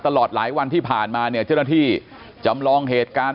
ตลอดหลายวันที่ผ่านมาเนี่ยเจ้าหน้าที่จำลองเหตุการณ์